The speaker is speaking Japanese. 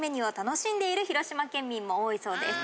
広島県民も多いそうです。